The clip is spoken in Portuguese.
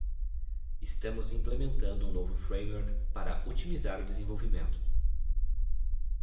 Estamos implementando um novo framework para otimizar o desenvolvimento.